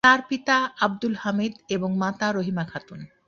তার পিতা আবদুল হামিদ এবং মাতা রহিমা খাতুন।